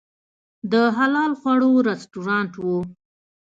د حلال خواړو رستورانت و.